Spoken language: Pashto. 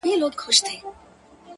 زړه راته زخم کړه. زارۍ کومه.